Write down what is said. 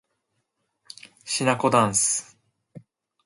しなこだんす